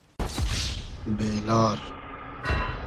بې لار